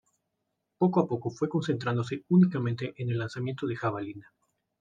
Poco a poco fue concentrándose únicamente en el lanzamiento de jabalina.